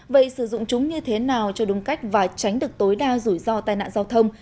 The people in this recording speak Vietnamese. vậy sử dụng chúng như thế nào cho đúng cách và tránh được tối đa rủi ro tai nạn giao thông